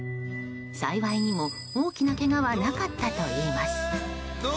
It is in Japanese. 幸いにも大きなけがはなかったといいます。